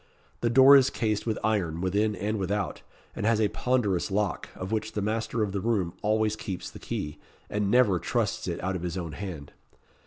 The door is cased with iron, within and without, and has a ponderous lock, of which the master of the room always keeps the key, and never trusts it out of his own hand.